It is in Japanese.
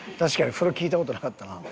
それは聞いた事なかったな。